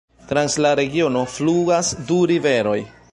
Trans la regiono fluas du riveroj.